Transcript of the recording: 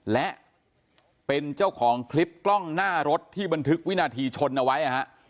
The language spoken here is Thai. และเป็นเจ้าของคลิปกล้องหน้ารถที่บันทึกวินาทีชนเอาไว้นะฮะ